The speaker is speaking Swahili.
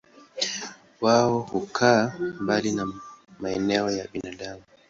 Wao hukaa mbali na maeneo ya binadamu.